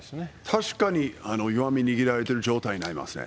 確かに弱み握られている状態になりますね。